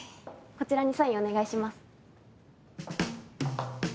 こちらにサインお願いします。